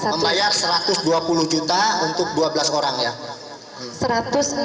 membayar satu ratus dua puluh juta untuk dua belas orang ya